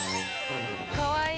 かわいい。